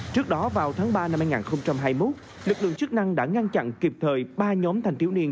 trước đó vào tháng ba năm hai nghìn hai mươi một lực lượng chức năng đã ngăn chặn kịp thời ba nhóm thanh thiếu niên